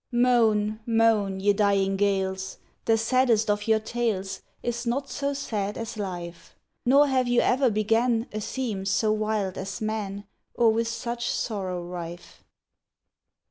Moan, moan, ye dying gales! The saddest of your tales Is not so sad as life; Nor have you e'er began A theme so wild as man, Or with such sorrow rife.